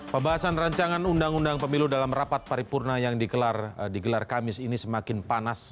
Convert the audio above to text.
pembahasan rancangan undang undang pemilu dalam rapat paripurna yang digelar kamis ini semakin panas